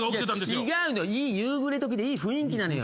違うのいい夕暮れ時でいい雰囲気なのよ。